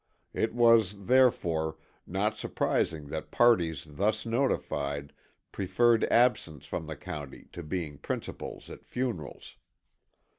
It was, therefore, not surprising that parties thus notified preferred absence from the county to being principals at funerals.